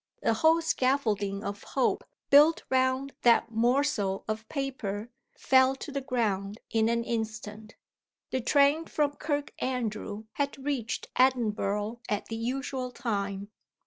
The whole scaffolding of hope built round that morsel of paper fell to the ground in an instant. The train from Kirkandrew had reached Edinburgh at the usual time.